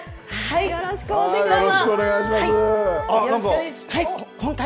よろしくお願いします。